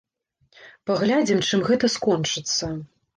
Паглядзім, чым гэта скончыцца.